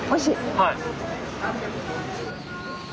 はい。